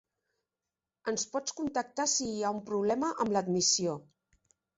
Ens pots contactar si hi ha un problema amb l'admissió.